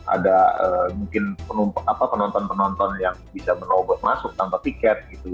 ada mungkin penonton penonton yang bisa merobos masuk tanpa tiket gitu